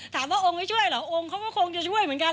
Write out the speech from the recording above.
ถามว่าองค์ไม่ช่วยเหรอองค์เขาก็คงจะช่วยเหมือนกัน